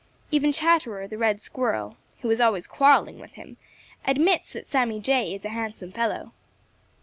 Even Chatterer the Red Squirrel, who is always quarreling with him, admits that Sammy Jay is a handsome fellow.